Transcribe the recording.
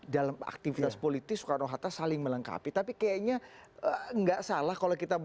dalam aktivitas politik soekarno hatta saling melengkapi tapi kayaknya enggak salah kalau kita